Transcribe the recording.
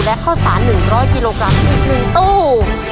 และข้อสาร๑๐๐กิโลกรัม๑ตู้